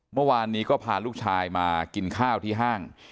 เมื่อวานนี้ก็พาลูกชายมากินข้าวที่ห้าง